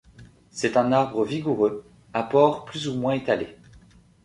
C'est un arbre vigoureux, à port plus ou moins étalé.